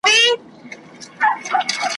قافلې والا به يوسف له څاه څخه راوباسي.